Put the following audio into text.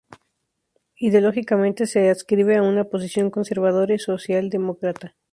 Ideológicamente se adscribe a una posición conservadora y socialdemócrata.